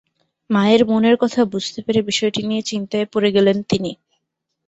মায়ের মনের কথা বুঝতে পেরে বিষয়টি নিয়ে চিন্তায় পড়ে গেলেন তিনি।